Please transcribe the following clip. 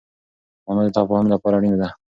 مانا د تفاهم لپاره اړينه ده.